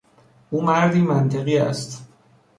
او مردی منطقی است.